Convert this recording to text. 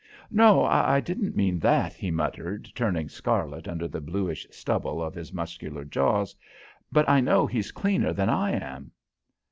"No, I didn't mean that," he muttered, turning scarlet under the bluish stubble of his muscular jaws. "But I know he's cleaner than I am."